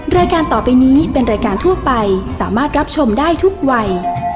รายการต่อไปนี้เป็นรายการทั่วไปสามารถรับชมได้ทุกวัย